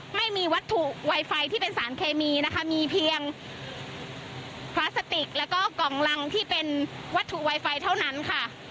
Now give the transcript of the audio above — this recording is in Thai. ไม่มีวัตถุไวไฟที่เป็นสารเคมีนะคะมีเพียงพลาสติกแล้วก็กล่องรังที่เป็นวัตถุไวไฟเท่านั้นค่ะ